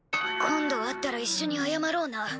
今度会ったら一緒に謝ろうな。